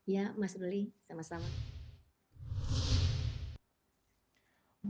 ya mas doli sama sama